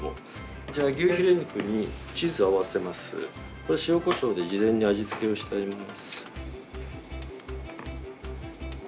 これは塩こしょうで事前に味付けをしています。